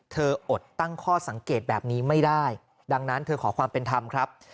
อดตั้งข้อสังเกตแบบนี้ไม่ได้ดังนั้นเธอขอความเป็นธรรมครับ